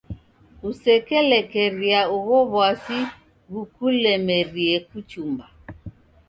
Kusekelekeria ugho w'asi ghukulemerie kuchumba.